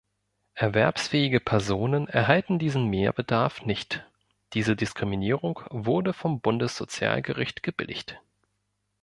Erwerbsfähige Personen erhalten diesen Mehrbedarf nicht; diese Diskriminierung wurde vom Bundessozialgericht gebilligt.